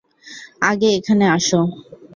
আগে এখানে আস।